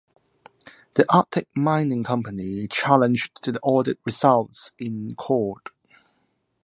The Arctic Mining Company challenged the audit results in court.